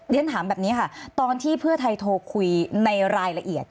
เรียนถามแบบนี้ค่ะตอนที่เพื่อไทยโทรคุยในรายละเอียด